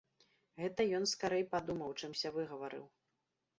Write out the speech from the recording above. Гэта ён скарэй падумаў, чымся выгаварыў.